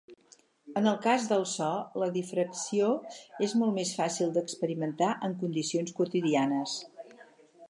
En el cas del so la difracció és molt més fàcil d'experimentar en condicions quotidianes.